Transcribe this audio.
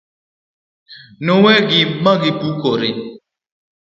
nowegi magipukore